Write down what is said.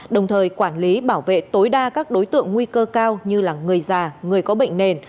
đồng thời quản lý bảo vệ tối đa các đối tượng nguy cơ cao như là người già người có bệnh nền